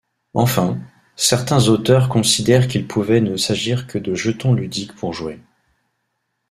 Enfin, certains auteurs considèrent qu'il pouvait ne s'agir que de jetons ludiques pour jouer.